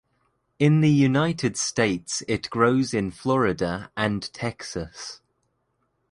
In the United States it grows in Florida and Texas.